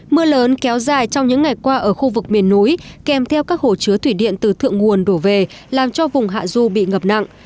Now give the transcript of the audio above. mưa lớn kéo dài trong những ngày qua ở khu vực miền núi kèm theo các hồ chứa thủy điện từ thượng nguồn đổ về làm cho vùng hạ du bị ngập nặng